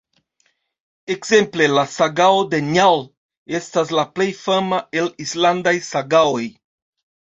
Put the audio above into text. Ekzemple La sagao de Njal estas la plej fama el islandaj sagaoj.